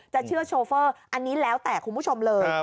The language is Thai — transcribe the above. จะเชื่อโชเฟอร์อันนี้แล้วแต่คุณผู้ชมเลย